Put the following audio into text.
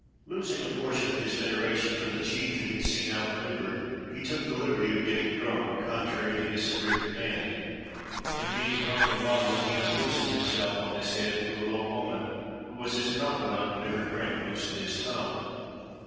Losing a portion of his veneration for the chief he had seen outmaneuvered, he took the liberty of getting drunk contrary to his severe command, and being drunk and maudlin he unbosomed himself on this head to a low woman who was his confidante whenever drink loosened his tongue.